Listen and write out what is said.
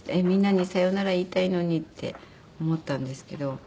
みんなにさよなら言いたいのにって思ったんですけど。